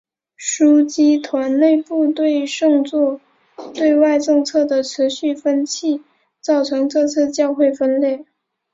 枢机团内部对圣座对外政策的持续分歧造成这次教会分裂。